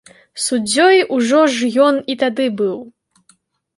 Суддзёй ужо ж ён і тады быў.